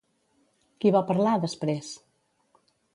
Qui va parlar, després?